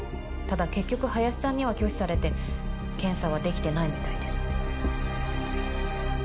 ただ結局林さんには拒否されて検査はできてないみたいです。